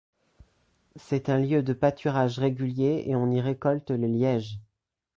C’est un lieu de pâturage régulier et on y récolte le liège.